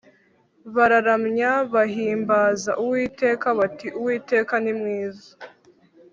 bararamya, bahimbaza uwiteka bati: ‘uwiteka ni mwiza,